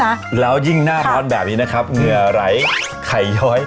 ค่ะแล้วยิ่งหน้าร้อนแบบนี้นะครับเหงื่อไหลไข่ย้อย